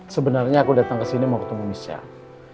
sebenarnya aku datang ke sini mau ketemu michelle